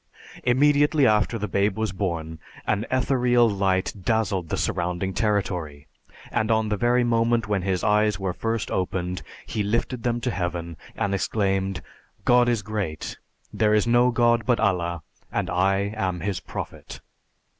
Immediately after the babe was born an ethereal light dazzled the surrounding territory, and, on the very moment when his eyes were first opened, he lifted them to heaven and exclaimed: "God is great! There is no God but Allah and I am his Prophet!"